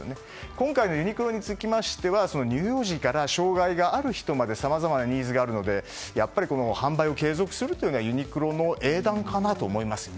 今回のユニクロにつきましては乳幼児から障害のある方までさまざまなニーズがありますのでやっぱり販売を継続するのはユニクロの英断かなと思います。